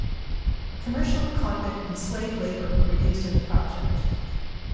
Commercial, convict, and slave labor were used in the project.